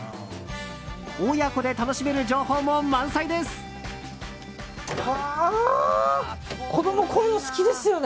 親子で楽しめる情報も満載です。